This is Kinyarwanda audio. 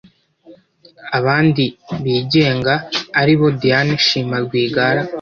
Abandi bigenga ari bo Diane Shima Rwigara